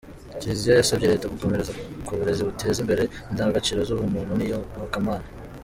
Kiliziya yasabye Leta gukomera ku burezi buteza imbere indangagaciro z’ubumuntu n’iyobokamana